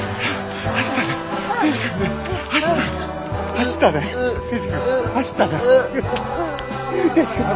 走ったな。